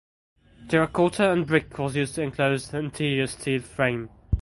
Terracotta and brick was used to enclose the interior steel frame.